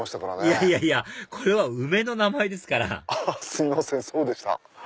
いやいやいやこれは梅の名前ですからアハハすいませんそうでした。